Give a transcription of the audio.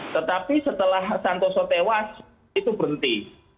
tetapi setelah santoso tewas itu berhenti